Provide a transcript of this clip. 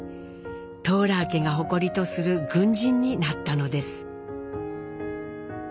トーラー家が誇りとする軍人になったのです。